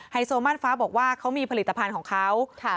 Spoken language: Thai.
โซม่านฟ้าบอกว่าเขามีผลิตภัณฑ์ของเขา